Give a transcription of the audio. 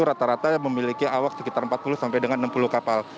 rata rata memiliki awak sekitar empat puluh sampai dengan enam puluh kapal